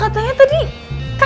mata buat dia